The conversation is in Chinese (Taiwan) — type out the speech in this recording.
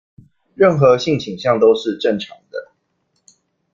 任何性傾向都是正常的